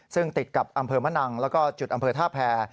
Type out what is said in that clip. ซึ่งติดกับอำเภอมะนังแล้วก็จุดอำเภอท่าแพร